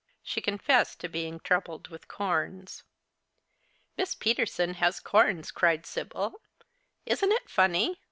She confessed to being troubled with corns. " Miss Peterson has corns," cried Sibyl ;" isn't it funny